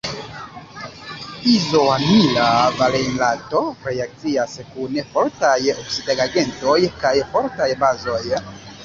Izoamila valerato reakcias kun fortaj oksidigagentoj kaj fortaj bazoj.